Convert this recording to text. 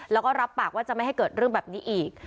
แล้วก็รับปากว่าจะไม่ให้เกิดเรื่องแบบนี้อีก